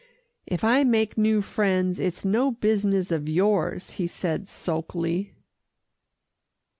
"If I make new friends, it's no business of yours," he said sulkily.